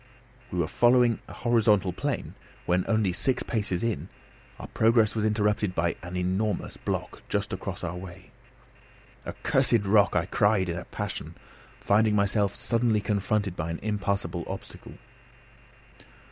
We were following a horizontal plane, when, only six paces in, our progress was interrupted by an enormous block just across our way. "Accursed rock!" I cried in a passion, finding myself suddenly confronted by an impassable obstacle.